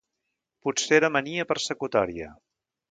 Potser era mania persecutòria.